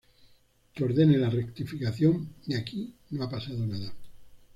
Que ordene la rectificación y aquí no ha pasado nada.